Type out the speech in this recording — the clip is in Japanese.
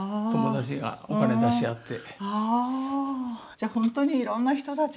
じゃほんとにいろんな人たちが。